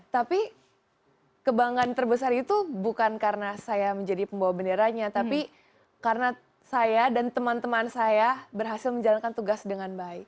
tapi kebanggaan terbesar itu bukan karena saya menjadi pembawa benderanya tapi karena saya dan teman teman saya berhasil menjalankan tugas dengan baik